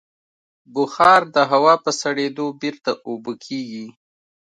بخار د هوا په سړېدو بېرته اوبه کېږي.